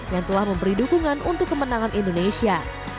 yang telah memberi dukungan untuk kemenangan indonesia